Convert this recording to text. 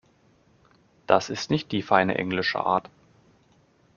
Das ist nicht die feine englische Art.